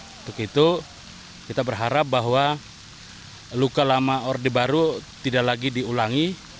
untuk itu kita berharap bahwa luka lama orde baru tidak lagi diulangi